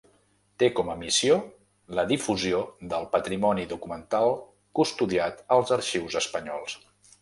Té com a missió la difusió del patrimoni documental custodiat als arxius espanyols.